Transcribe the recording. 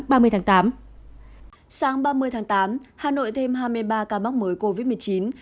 sáng ba mươi tháng tám hà nội thêm hai mươi ba ca mắc mới covid một mươi chín